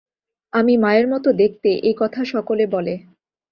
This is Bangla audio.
আমি মায়ের মতো দেখতে এই কথা সকলে বলে।